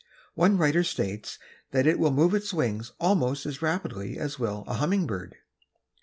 One writer states that it will move its wings almost as rapidly as will a humming bird.